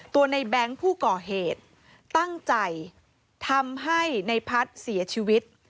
ในแบงค์ผู้ก่อเหตุตั้งใจทำให้ในพัฒน์เสียชีวิต